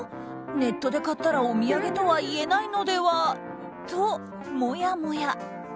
ネットで買ったらお土産とはいえないのではともやもや。